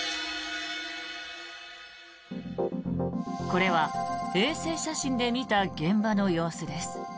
これは衛星写真で見た現場の様子です。